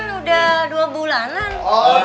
sudah dua bulanan